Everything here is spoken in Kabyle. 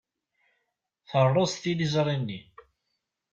Terreẓ tiliẓri-nni.